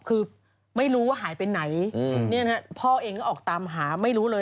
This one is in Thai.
คือไม่รู้ว่าหายไปไหนพ่อเองก็ออกตามหาไม่รู้เลย